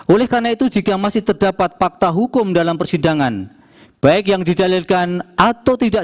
oleh karena itu jika masih terdapat fakta hukum dalam persidangan baik yang didalilkan atau tidak